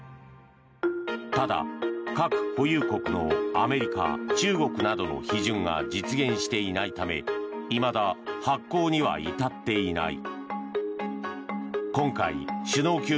ただ核保有国のアメリカ中国などの批准が実現していないためいまだ、発効には至っていない。